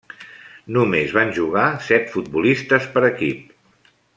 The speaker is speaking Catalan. Només van jugar set futbolistes per equip.